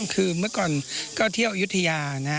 คือเมื่อก่อนก็เที่ยวอายุทยานะ